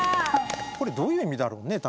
これどういう意味だろうね？